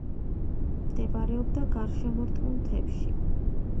მდებარეობდა გარშემორტყმულ მთებში.